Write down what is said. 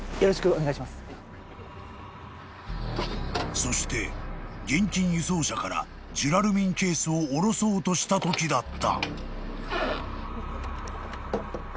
［そして現金輸送車からジュラルミンケースを降ろそうとしたときだった］